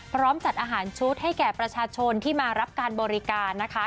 จัดอาหารชุดให้แก่ประชาชนที่มารับการบริการนะคะ